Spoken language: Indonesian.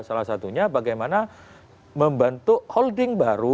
salah satunya bagaimana membentuk holding baru